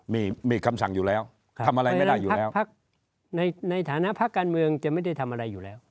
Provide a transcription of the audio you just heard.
มีคำสั่งอยู่แล้วทำอะไรไม่ได้อยู่แล้วพักในฐานะพักการเมืองจะไม่ได้ทำอะไรอยู่แล้ว